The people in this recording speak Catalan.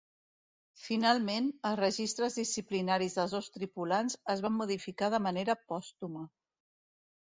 Finalment, els registres disciplinaris dels dos tripulants es van modificar de manera pòstuma.